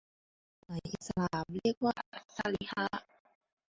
กฎหมายอิสลามเรียกว่าชาริอะฮ์